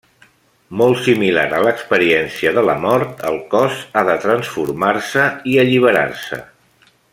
Molt similar a l'experiència de la mort, el cos ha de transformar-se i alliberar-se.